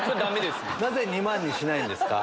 なぜ２万にしないんですか？